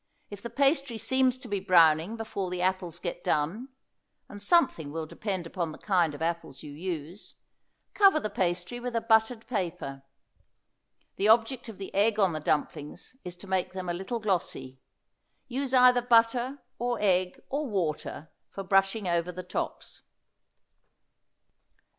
If the pastry seems to be browning before the apples get done, and something will depend upon the kind of apples you use, cover the pastry with a buttered paper. The object of the egg on the dumplings is to make them a little glossy. Use either butter, or egg, or water for brushing over the tops.